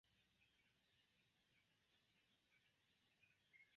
Lia rideto allogis eĉ tiujn, kiuj lin bone konis kaj malaprobis liajn krimojn.